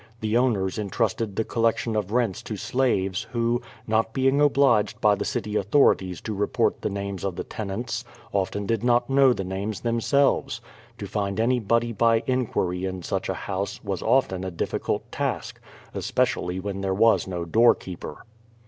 The owners entrusted the collection of rents to slaves, who, not being obliged by the city authorities to report the names of the ten ants, often did not know the names themselves. To find any body by inquiry in such a house, was often a difficult task, es pecially when there was no doorkeeper.